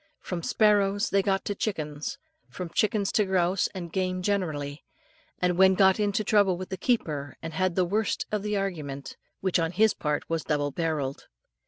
From sparrows they got to chickens, from chickens to grouse and game generally, and then got into trouble with the keeper, and had the worst of the argument, which on his part was double barrelled.